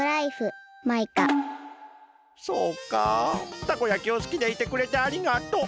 そうかたこ焼きをすきでいてくれてありがとう。